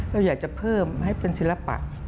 เราอยากจะเพิ่มให้เป็นศิลปะ